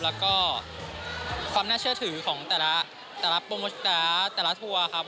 แล้วก็ความน่าเชื่อถือของแต่ละโปรโมสตาร์แต่ละทัวร์ครับ